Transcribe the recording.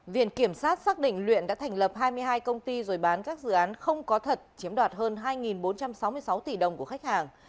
viện kiểm sát xác định luyện đã thành lập hai mươi hai công ty rồi bán các dự án không có thật chiếm đoạt hơn hai bốn trăm sáu mươi sáu tỷ đồng của khách hàng